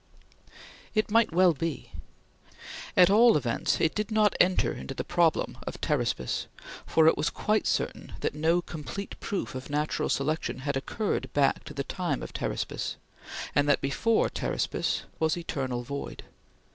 It might well be! At all events, it did not enter into the problem of Pteraspis, for it was quite certain that no complete proof of Natural Selection had occurred back to the time of Pteraspis, and that before Pteraspis was eternal void.